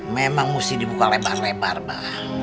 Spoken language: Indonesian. memang mesti dibuka lebar lebar pak